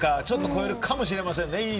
ちょっと超えるかもしれませんね